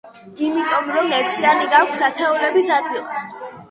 იმიტომ რომ ექვსიანი გვაქვს ათეულების ადგილას.